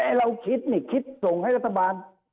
ให้เราคิดนี่คิดส่งให้รัฐบาล